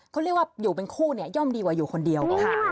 เขาเรียกว่าอยู่เป็นคู่เนี่ยย่อมดีกว่าอยู่คนเดียว